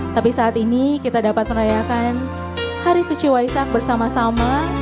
tapi saat ini kita dapat merayakan hari suci waisak bersama sama